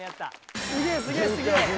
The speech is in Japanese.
「すげえすげえすげえ！」